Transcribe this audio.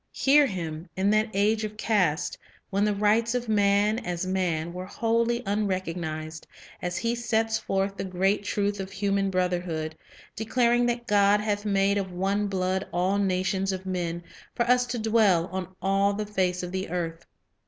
Hear him, in that age of caste, when the rights of man as man were wholly unrecognized, as he sets forth the great truth of human brotherhood, declaring that God " hath made of one blood all nations of men for to dwell on all the face of the earth."